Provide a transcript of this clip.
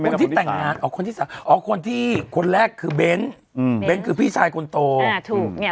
คนที่แต่งงานอ๋อคนที่สามอ๋อคนที่คนแรกคือเบ้นอืมเบ้นคือพี่ชายคนโตเนี่ยถูกเนี่ย